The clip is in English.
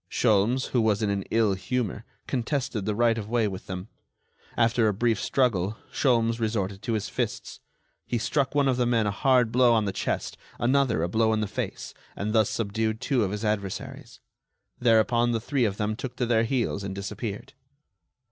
Sholmes, who was in an ill humor, contested the right of way with them. After a brief struggle, Sholmes resorted to his fists. He struck one of the men a hard blow on the chest, another a blow in the face, and thus subdued two of his adversaries. Thereupon the three of them took to their heels and disappeared.